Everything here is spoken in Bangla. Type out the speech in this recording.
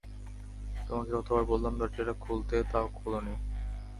তোমাকে কতবার বললাম দরজাটা খুলতে, তাও খোলোনি!